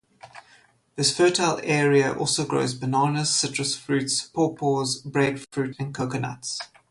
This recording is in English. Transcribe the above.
This fertile area also grows bananas, citrus fruits, pawpaws, breadfruit and coconuts.